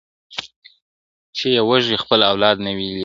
چي یې وږي خپل اولاد نه وي لیدلي -